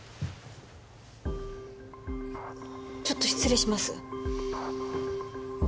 ちょっと失礼します